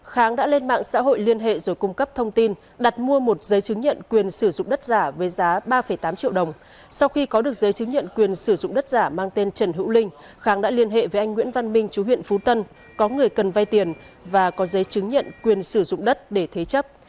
kháng đã lên mạng xã hội liên hệ rồi cung cấp thông tin đặt mua một giấy chứng nhận quyền sử dụng đất giả với giá ba tám triệu đồng sau khi có được giấy chứng nhận quyền sử dụng đất giả mang tên trần hữu linh kháng đã liên hệ với anh nguyễn văn minh chú huyện phú tân có người cần vay tiền và có giấy chứng nhận quyền sử dụng đất để thế chấp